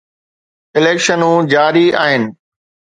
اليڪشنون جاري آهن.